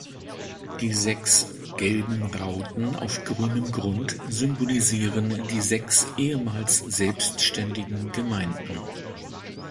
Die sechs gelben Rauten auf grünem Grund symbolisieren die sechs ehemals selbstständigen Gemeinden.